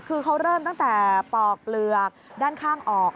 คือเขาเริ่มตั้งแต่ปอกเปลือกด้านข้างออก